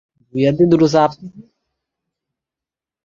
হয়তো সেখানে বলার মতো কিছু করতে পারব।